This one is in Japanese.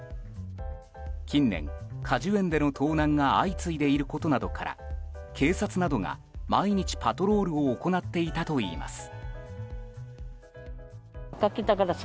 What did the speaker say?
近年、果樹園での盗難が相次いでいることなどから警察などが毎日パトロールを行っていたといいます。